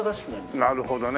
なるほどね。